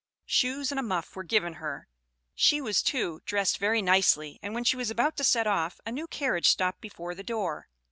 Shoes and a muff were given her; she was, too, dressed very nicely; and when she was about to set off, a new carriage stopped before the door.